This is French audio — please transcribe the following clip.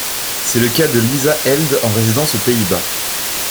C’est le cas de Lisa Held en résidence aux Pays-Bas.